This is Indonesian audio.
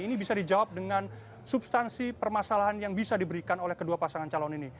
ini bisa dijawab dengan substansi permasalahan yang bisa diberikan oleh kedua pasangan calon ini